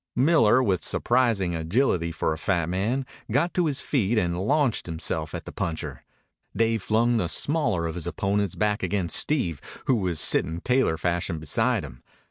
Miller, with surprising agility for a fat man, got to his feet and launched himself at the puncher. Dave flung the smaller of his opponents back against Steve, who was sitting tailor fashion beside him.